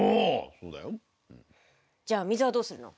そうだよ。じゃあ水はどうするの？